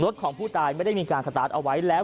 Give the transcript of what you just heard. ของผู้ตายไม่ได้มีการสตาร์ทเอาไว้แล้ว